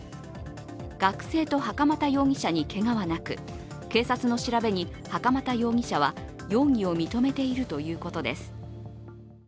学生と袴田容疑者にけがはなく警察の調べに袴田容疑者は容疑を認めているということです。